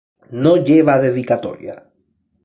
No lleva dedicatoria.